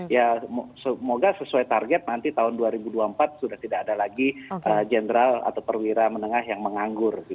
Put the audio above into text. ya semoga sesuai target nanti tahun dua ribu dua puluh empat sudah tidak ada lagi jenderal atau perwira menengah yang menganggur